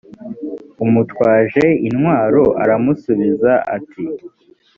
umutwaje intwaro aramusubiza ati